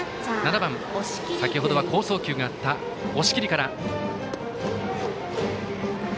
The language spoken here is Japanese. ７番、先ほどは好送球があった押切から。